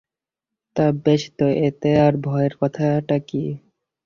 তা, বেশ তো, এতে আর ভয়ের কথাটা কী?